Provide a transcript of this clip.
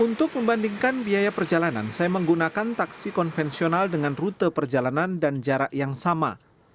untuk membandingkan biaya perjalanan saya menggunakan taksi konvensional dengan rute perjalanan dan jarak yang sama